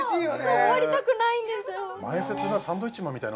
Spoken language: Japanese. そう終わりたくないんですよ